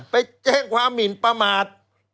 ไปแจ้งความหมินประมาท